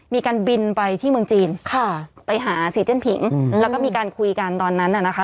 มีการบินไปที่เมืองจีนค่ะไปหาซีเจนผิงแล้วก็มีการคุยกันตอนนั้นน่ะนะคะ